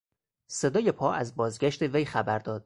صدای پا از بازگشت وی خبر داد.